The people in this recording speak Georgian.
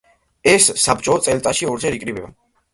ეს საბჭო წელიწადში ორჯერ იკრიბება.